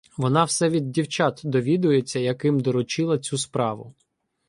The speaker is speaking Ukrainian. Вона все від дівчат довідується, яким доручила цю справу.